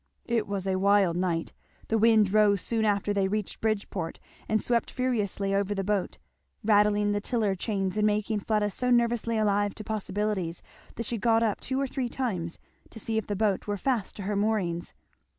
It was a wild night. The wind rose soon after they reached Bridgeport, and swept furiously over the boat, rattling the tiller chains and making Fleda so nervously alive to possibilities that she got up two or three times to see if the boat were fast to her moorings.